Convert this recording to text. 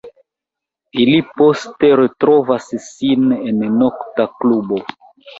Ili poste retrovas sin en nokta klubo.